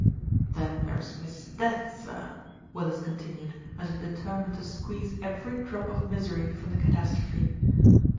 "Then there's Mrs. Death, sir," Willis continued, as if determined to squeeze every drop of misery from the catastrophe.